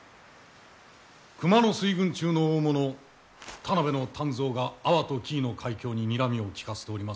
熊野水軍中の大物田辺の湛増が阿波と紀伊の海峡ににらみを利かせておりますので。